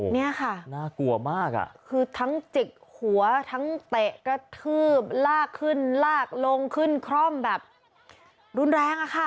เนี่ยค่ะน่ากลัวมากอ่ะคือทั้งจิกหัวทั้งเตะกระทืบลากขึ้นลากลงขึ้นคร่อมแบบรุนแรงอะค่ะ